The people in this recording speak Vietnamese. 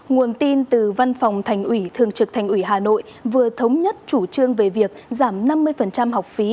nguồn tin từ văn phòng thành ủy thường trực thành ủy hà nội vừa thống nhất chủ trương về việc giảm năm mươi học phí